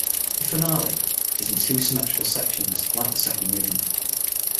The Finale is in two symmetrical sections, like the second movement.